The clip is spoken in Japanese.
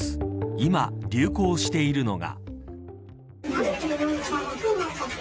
今流行しているのが。